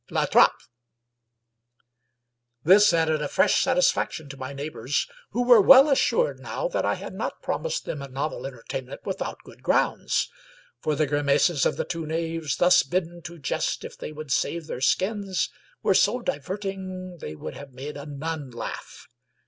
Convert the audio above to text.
La Trape!" This added a fresh satisfaction to my neighbors, who were well assured now that I had not promised them a novel entertainment without good grounds; for the gri maces of the two knaves thus bidden to jest if they would save their skins, were so diverting they would have made a nun laugh.